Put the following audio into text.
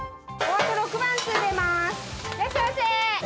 いらっしゃいませ。